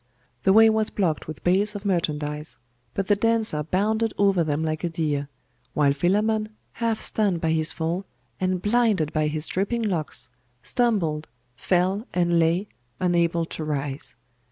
The way was blocked with bales of merchandise: but the dancer bounded over them like a deer; while Philammon, half stunned by his fall, and blinded by his dripping locks, stumbled, fell, and lay, unable to rise.